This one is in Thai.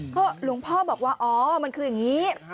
เพราะหลวงพ่อบอกว่าอ๋อมันคือยังงี้